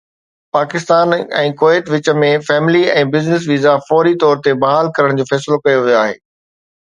Pakistan ۽ Kuwait وچ ۾ family ۽ business visa فوري طور تي بحال ڪرڻ جو فيصلو ڪيو ويو آهي